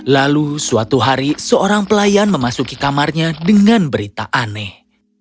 lalu suatu hari seorang pelayan memasuki kamarnya dengan berita aneh